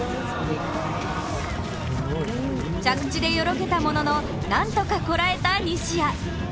着地でよろけたものの、なんとかこらえた西矢。